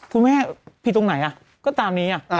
คุณแม่ผิดตรงไหนก็ตามนี้